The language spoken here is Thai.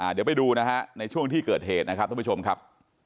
เดี๋ยวไปดูนะฮะในช่วงที่เกิดเหตุนะครับท่านผู้ชมครับ